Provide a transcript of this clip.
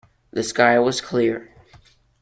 The sky was clear.